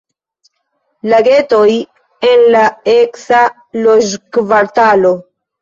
Lagetoj en la eksa loĝkvartalo.